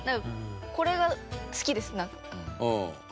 これが好きですなんか。